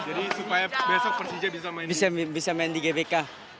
jadi supaya besok persija bisa main di gbk